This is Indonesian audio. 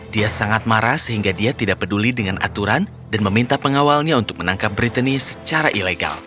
dia sangat marah sehingga dia tidak peduli dengan aturan dan meminta pengawalnya untuk menangkap brittany secara ilegal